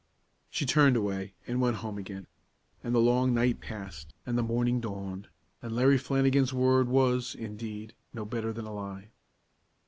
She turned away and went home again, and the long night passed, and the morning dawned, and Larry Flannigan's word was, indeed, no better than a lie.